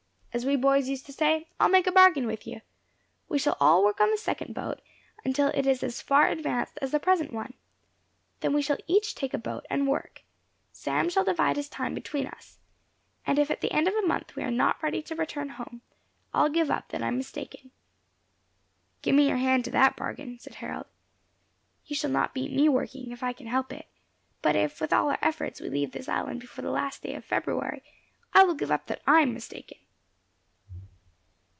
As we boys used to say, I'll make a bargain with you. We shall all work on the second boat, until it is as far advanced as the present one. Then we shall each take a boat and work. Sam shall divide his time between us. And if at the end of a month we are not ready to return home, I'll give up that I am mistaken." "Give me your hand to that bargain," said Harold. "You shall not beat me working, if I can help it; but if, with all our efforts, we leave this island before the last day of February, I will give up that I am mistaken."